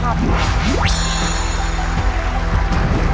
ถ้าตอบถูกก็รับ๕ข้อ